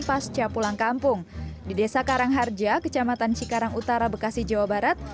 pasca pulang kampung di desa karangharja kecamatan cikarang utara bekasi jawa barat